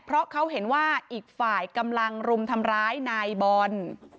เพราะเขาเห็นว่าอีกฝ่ายกำลังรุมทำร้ายนายบอล